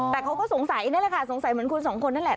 แต่เขาก็สงสัยนั่นแหละค่ะสงสัยเหมือนคุณสองคนนั่นแหละ